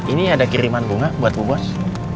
ini ada kiriman bunga buat bu bos